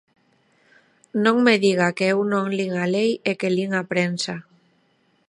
Non me diga que eu non lin a lei e que lin a prensa.